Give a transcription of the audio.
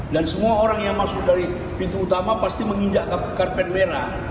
dan semua orang yang masuk dari pintu utama pasti menginjak karpet merah